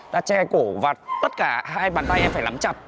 đã che cổ và tất cả hai bàn tay em phải lắm chặt